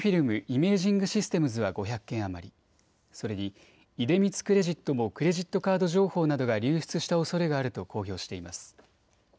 イメージングシステムズは５００件余り、それに出光クレジットもクレジットカード情報などが流出したおそれがあると公表しています。